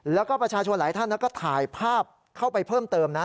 แล้วก็ประชาชนหลายท่านก็ถ่ายภาพเข้าไปเพิ่มเติมนะ